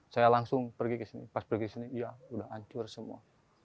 saya langsung pergi ke sini pas pergi ke sini ya udah hancur semua